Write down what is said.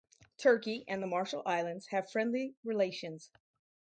Turkey and the Marshall Islands have friendly relations.